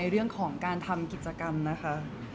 เป็นของการทำกิจกรรมนะคะ